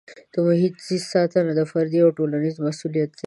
د محیط زیست ساتنه د فردي او ټولنیز مسؤلیت دی.